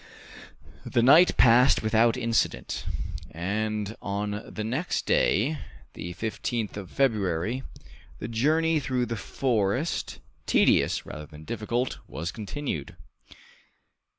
The night passed without incident, and on the next day, the 15th of February, the journey through the forest, tedious rather than difficult, was continued.